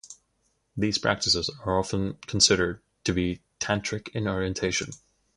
These practices are often generally considered to be Tantric in orientation.